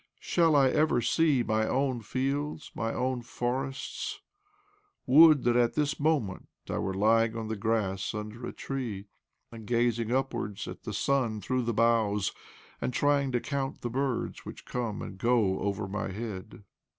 Shall I ever see my own fields, my own forests ? Would that at this moment I were lying on the grass under a tree, and gazing upwards at the sun through the б4 OBLOMOV boughs, and trying to count the birds which come and go over my head